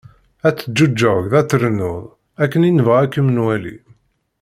Ad teǧğuğegḍ ad trennuḍ, akken i nebɣa ad kem-nwali."